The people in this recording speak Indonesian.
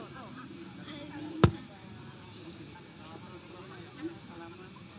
salam yang baru datang